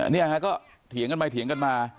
เนี่ยฮะก็เถียงกันไปเถียงกันมา